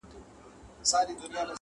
چي مي سترګي د یار و وینم پیالو کي -